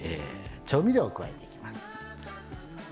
調味料を加えていきます。